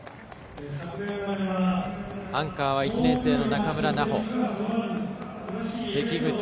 アンカーは１年生の仲村奈穂。